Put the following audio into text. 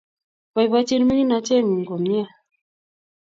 Baibaichin miginatet ngung komnye.